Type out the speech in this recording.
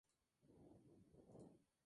Oliva fue el mejor jugador de la liga.